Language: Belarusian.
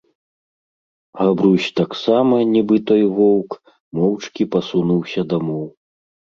Габрусь таксама, нiбы той воўк, моўчкi пасунуўся дамоў.